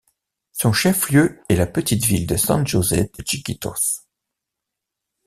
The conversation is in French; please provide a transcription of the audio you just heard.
Son chef-lieu est la petite ville de San José de Chiquitos.